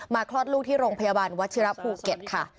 คลอดลูกที่โรงพยาบาลวัชิระภูเก็ตค่ะ